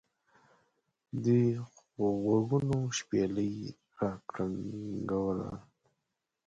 دغوږونو شپېلۍ را کرنګوله.